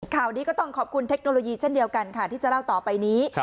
ข่าวนี้ก็ต้องขอบคุณเทคโนโลยีเช่นเดียวกันค่ะที่จะเล่าต่อไปนี้